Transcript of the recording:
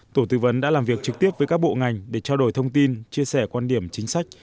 tổ tư vấn đã làm việc trực tiếp với các bộ ngành để trao đổi thông tin chia sẻ quan điểm chính sách